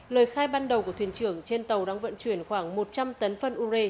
lời khai ban đầu của thuyền trưởng trên tàu đang vận chuyển khoảng một trăm linh tấn phân ure